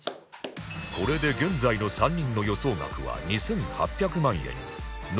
これで現在の３人の予想額は２８００万円に